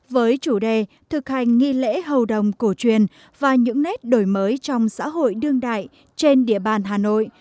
với chủ đề thực hành nghi lễ hầu đồng cổ truyền và những nét đổi mới trong xã hội đương đại trên địa bàn hà nội